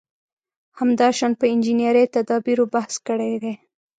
همداشان په انجنیري تدابېرو بحث کړی دی.